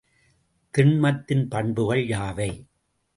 திண்மத்தின் பண்புகள் யாவை?